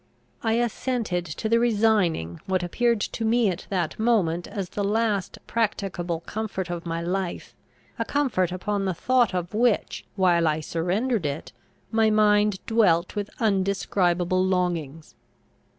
I assented to the resigning what appeared to me at that moment as the last practicable comfort of my life; a comfort, upon the thought of which, while I surrendered it, my mind dwelt with undescribable longings.